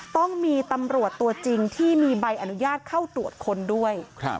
ต้องมีตำรวจตัวจริงที่มีใบอนุญาตเข้าตรวจค้นด้วย